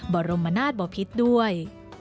บรมนาศบพิษด้วย